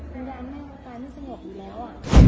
ในรายแม่มันกลายไม่สงบอยู่แล้ว